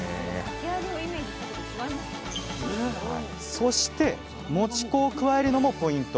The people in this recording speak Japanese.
そしてもち粉を加えるのもポイント！